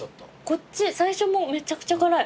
こっち最初めちゃくちゃ辛い。